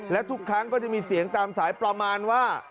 และทุกครั้งก็จะมีเสียงตามสายประมาณว่า